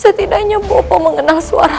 setidaknya bopo mengenal suaraku